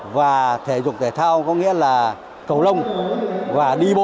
và thể dục thể thao có nghĩa là cầu lông và đi bộ